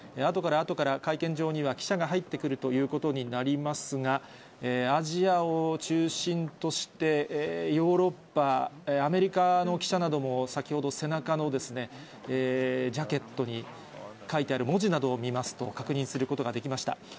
あとからあとから、会見場には記者が入ってくるということになりますが、アジアを中心としてヨーロッパ、アメリカの記者なども、先ほど、背中のですね、ジャケットに書いてある文字などを見ますと、確認することができました。